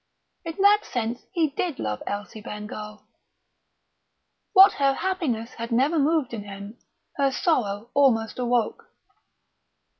In that sense he did love Elsie Bengough. What her happiness had never moved in him her sorrow almost awoke....